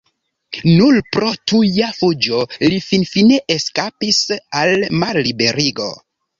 Nur pro tuja fuĝo li finfine eskapis al malliberigo.